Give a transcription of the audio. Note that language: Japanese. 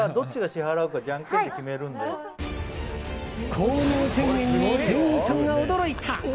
購入宣言に店員さんが驚いた！